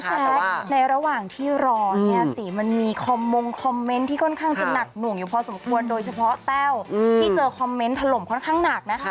ในระหว่างที่รอเนี่ยสิมันมีคอมมงคอมเมนต์ที่ค่อนข้างจะหนักหน่วงอยู่พอสมควรโดยเฉพาะแต้วที่เจอคอมเมนต์ถล่มค่อนข้างหนักนะคะ